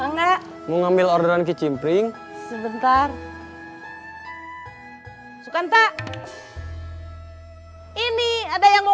nggak mau ngambil orderan kecimpring sebentar sukan tak ini ada yang mau